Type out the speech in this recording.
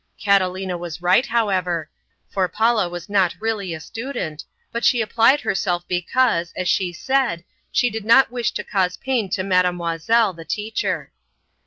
Catalina was right, however, for Paula was not really a student, but she applied herself because, as she said, she did not wish to cause pain to Mademoiselle, the teacher.